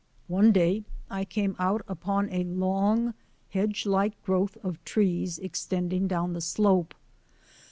One day I came out upon a long, hedge like growth of trees extending down the slope.